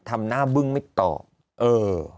ทำหน้าบึ้งไม่ตอบเออ